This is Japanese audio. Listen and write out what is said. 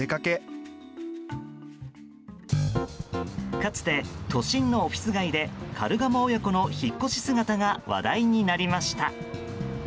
かつて、都心のオフィス街でカルガモ親子の引っ越し姿が話題になりました。